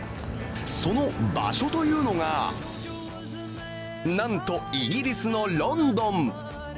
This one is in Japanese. その場所というのがなんとイギリスのロンドン。